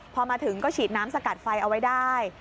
พอมาถึงก็ฉีดน้ำสกัดไฟเอาไว้ได้